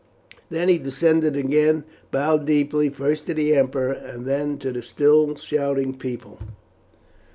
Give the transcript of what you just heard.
Then he descended again, and bowed deeply, first to the emperor and then to the still shouting people.